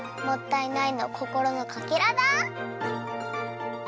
もったいないのこころのかけらだ！